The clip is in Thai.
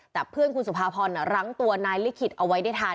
แต่เพื่อนคุณสุภาพรรั้งตัวนายลิขิตเอาไว้ได้ทัน